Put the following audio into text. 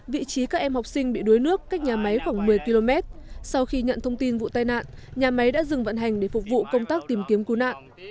vị trí các em học sinh bị đuối nước cách nhà máy khoảng một mươi km sau khi nhận thông tin vụ tai nạn nhà máy đã dừng vận hành để phục vụ công tác tìm kiếm cứu nạn